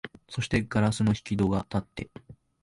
そして硝子の開き戸がたって、